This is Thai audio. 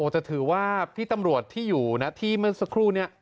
แต่ถือว่าพี่ตำรวจที่อยู่นะที่เมื่อสักครู่นี้